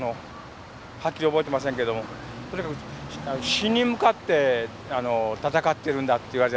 はっきり覚えてませんけどもとにかく死に向かって闘ってるんだと思いますね。